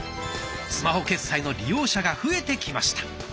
スマホ決済の利用者が増えてきました。